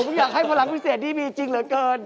ผมอยากให้พลังพิเศษนี้มีจริงเหลือเกิน